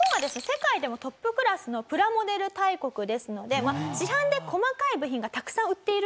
世界でもトップクラスのプラモデル大国ですので市販で細かい部品がたくさん売っていると。